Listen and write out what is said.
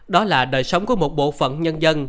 đó là đời sống của một bộ phận nhân dân